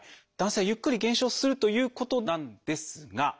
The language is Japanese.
男性はゆっくり減少するということなんですが。